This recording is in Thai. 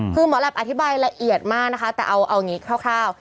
คือหมอแหลปอธิบายละเอียดมากนะคะแต่เอาอย่างนี้คร่าว